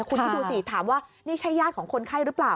คุณคิดดูสิถามว่านี่ใช่ญาติของคนไข้หรือเปล่า